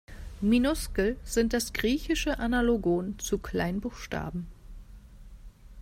Minuskel sind das griechische Analogon zu Kleinbuchstaben.